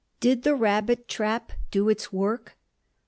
Did the "rabbit trap" do its work?